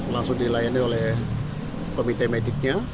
langsung dilayani oleh komite mediknya